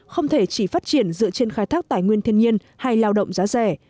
không thể chỉ phát triển dựa trên khai thác tài nguyên thiên nhiên hay lao động giá rẻ